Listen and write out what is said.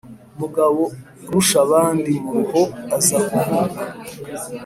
mugaburushabandumuruho aza kuvuka